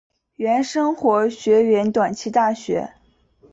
原生活学园短期大学。